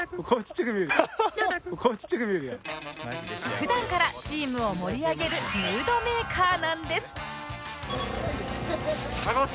普段からチームを盛り上げるムードメーカーなんです